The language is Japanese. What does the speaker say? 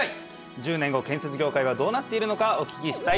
１０年後建設業界はどうなっているのかお聞きしたいと思います。